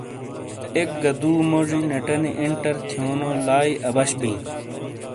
ایک گہ دُو موجی نیٹانی انٹر تھیونو لائی اَبش بِیں۔